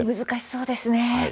難しそうですね。